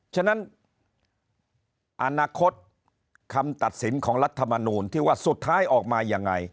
ฉะนั้นอนาคตคำตัดสินของรัฐมนูลที่ว่าสุดท้ายออกมายังไง